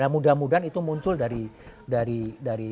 mudah mudahan itu muncul dari